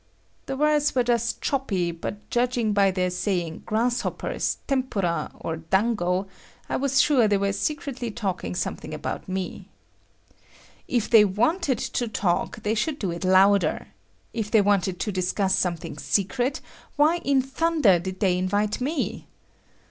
……" The words were thus choppy, but judging by their saying "grasshoppers," "tempura" or "dango," I was sure they were secretly talking something about me. If they wanted to talk, they should do it louder. If they wanted to discuss something secret, why in thunder did they invite me?